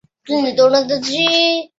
湘鄂赣苏区设。